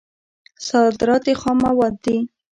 صادرات یې خام مواد دي.